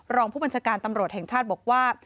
รองผู้บัญชาการตำรวจแห่งชาติบอกว่า